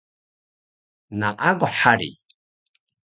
Naaguh hari